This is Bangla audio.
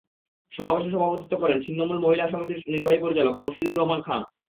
সমাবেশে সভাপতিত্ব করেন ছিন্নমূল মহিলা সমিতির নির্বাহী পরিচালক মুর্শীদুর রহমান খান।